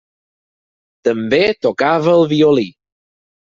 També tocava el violí.